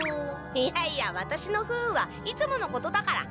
いやいやワタシの不運はいつものことだから。